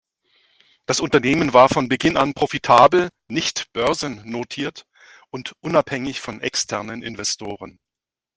Das Unternehmen war von Beginn an profitabel, nicht börsennotiert und unabhängig von externen Investoren.